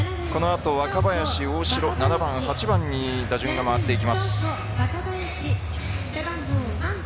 このあとは若林、大城７番８番に打順が回っていきます。